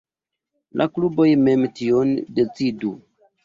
La kluboj mem tion decidu.